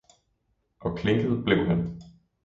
Og klinket blev han.